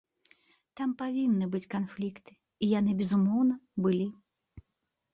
Там павінны быць канфлікты, і яны, безумоўна, былі.